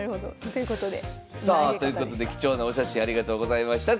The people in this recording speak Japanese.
さあということで貴重なお写真ありがとうございました。